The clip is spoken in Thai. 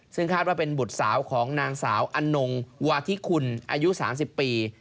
ซึ่งคาดว่าเป็นบุตรสาวของนางสาวอนงวาธิคุณอายุ๓๐ปี